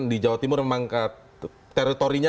di jawa timur memang teritorinya